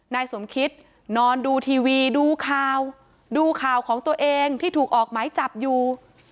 นายสมคิดนอนดูทีวีดูข่าวดูข่าวของตัวเองที่ถูกออกหมายจับอยู่